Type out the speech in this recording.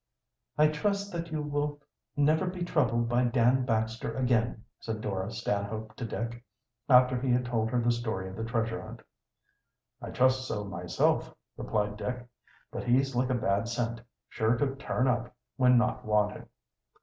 "I trust that you will never be troubled by Dan Baxter again," said Dora Stanhope to Dick, after he had told her the story of the treasure hunt. "I trust so myself," replied Dick. "But he's like a bad cent, sure to turn up when not wanted."